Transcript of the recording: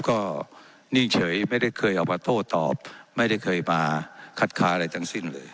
ก็นิ่งเฉยไม่ได้เคยออกมาโต้ตอบไม่ได้เคยมาคัดค้าอะไรทั้งสิ้นเลย